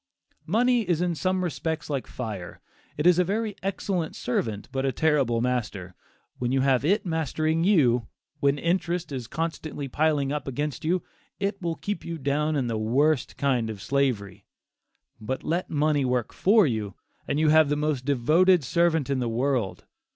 Money is in some respects like fire it is a very excellent servant but a terrible master. When you have it mastering you, when interest is constantly piling up against you, it will keep you down in the worst kind of slavery. But let money work for you, and you have the most devoted servant in the world.